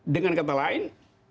dengan kata lain